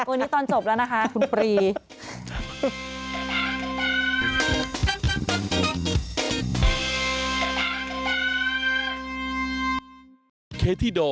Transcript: วันนี้ตอนจบแล้วนะคะคุณปรี